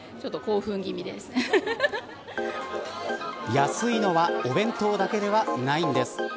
安いのはお弁当だけではないんです。